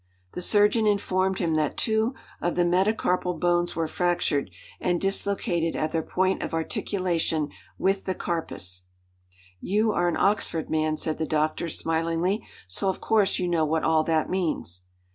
The surgeon informed him that two of the metacarpal bones were fractured and dislocated at their point of articulation with the carpus. "You are an Oxford man," said the doctor, smilingly, "so, of course, you know what all that means."